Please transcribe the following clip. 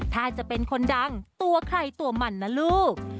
ถ้าจะเป็นคนดังตัวใครตัวมันนะลูก